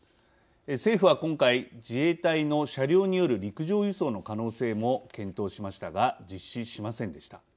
政府は今回自衛隊の車両による陸上輸送の可能性も検討しましたが実施しませんでした。